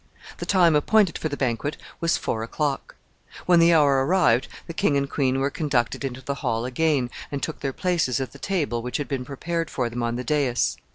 The time appointed for the banquet was four o'clock. When the hour arrived, the king and queen were conducted into the hall again, and took their places at the table which had been prepared for them on the dais.